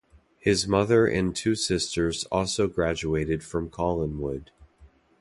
His mother and two sisters also graduated from Collinwood.